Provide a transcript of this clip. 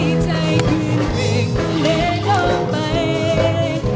ให้ใจคืนเพลงเวลานอกไป